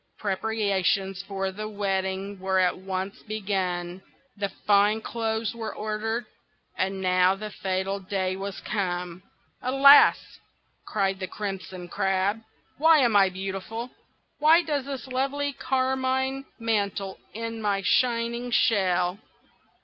Preparations for the wedding were at once begun, the fine clothes were ordered, and now the fatal day was come. "Alas!" cried the Crimson Crab, "why am I beautiful? Why does this lovely carmine mantle in my shining shell?